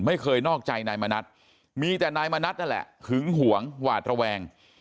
ไม่เคยนอกใจนายมณัฐมีแต่นายมณัฐนั่นแหละหึงหวงหวาดระแวง